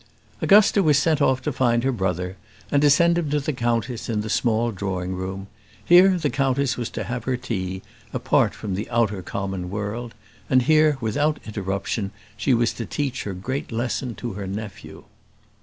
Augusta was sent off to find her brother, and to send him to the countess in the small drawing room. Here the countess was to have her tea, apart from the outer common world, and here, without interruption, she was to teach her great lesson to her nephew.